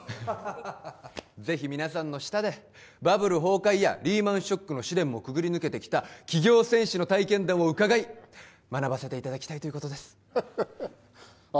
ぜひ皆さんの下でバブル崩壊やリーマンショックの試練もくぐり抜けてきた企業戦士の体験談を伺い学ばせていただきたいということですあっ